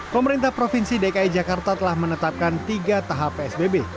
pemerintah provinsi dki jakarta telah menetapkan tiga tahap psbb